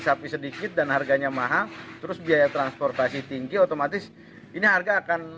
sapi sedikit dan harganya mahal terus biaya transportasi tinggi otomatis ini harga akan